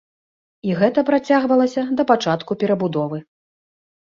І гэта працягвалася да пачатку перабудовы.